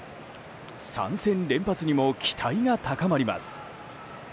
３戦連発にも期待が高まります。